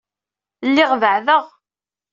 Lliɣ beɛdeɣ.